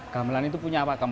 gamelan itu punya pakem